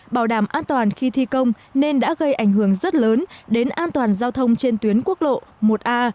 bảo đảm an toàn khi thi công nên đã gây ảnh hưởng rất lớn đến an toàn giao thông trên tuyến quốc lộ một a